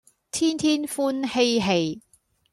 天天歡嬉戲